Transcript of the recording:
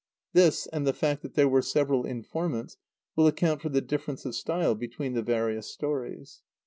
This, and the fact that there were several informants, will account for the difference of style between the various stories.